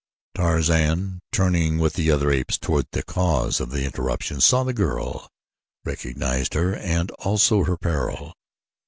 Tarzan, turning with the other apes toward the cause of the interruption, saw the girl, recognized her and also her peril.